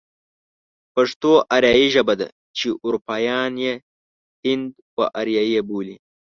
پښتو آريايي ژبه ده چې اروپايان يې هند و آريايي بولي.